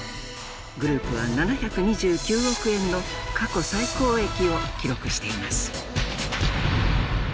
グループは７２９億円の過去最高益を記録しています。